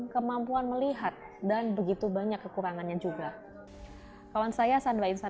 tapi lihatlah kegigihannya berjuang mencari nafkah